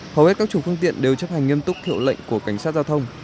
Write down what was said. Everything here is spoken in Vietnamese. hầu hết các chủ phương tiện đều chấp hành nghiêm túc thiệu lệnh của cảnh sát giao thông